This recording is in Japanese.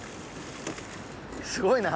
すごいな。